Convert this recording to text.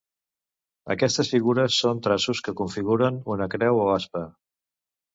Aquestes figures són traços que configuren una creu o aspa.